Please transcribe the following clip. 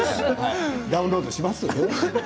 ダウンロードしますか？